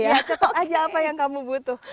ya tetap aja apa yang kamu butuh